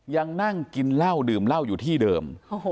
ยังนั่งกินเหล้าดื่มเหล้าอยู่ที่เดิม